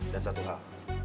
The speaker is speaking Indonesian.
dan satu hal